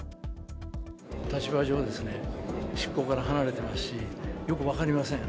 立場上ですね、執行から離れてますし、よく分かりません。